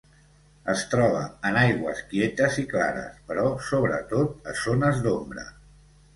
Es troba en aigües quietes i clares, però sobretot a zones d’ombra.